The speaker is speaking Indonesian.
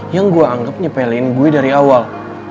yang gue anggap nyepelin gue dari awal